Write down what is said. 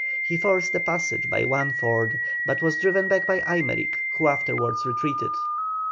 He forced a passage by one ford, but was driven back by Aymerich, who afterwards retreated.